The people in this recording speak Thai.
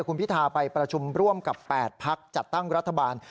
คุณพิทาไปประชุมร่วมกับ๘พักจัดตั้งรัฐบาล